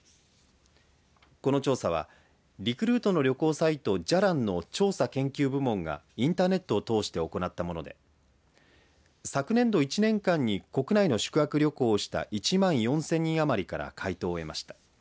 この調査はリクルートの旅行サイト、じゃらんの調査研究部門がインターネットを通して行ったもので昨年度１年間に国内の宿泊旅行をした１万４０００人余りから回答を得ました。